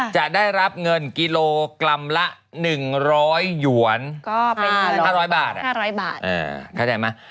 จะได้รับเงินกิโลกรัมละ๑๐๐หยวน๕๐๐บาท